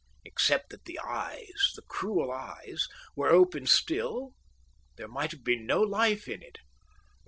Except that the eyes, the cruel eyes, were open still, there might have been no life in it.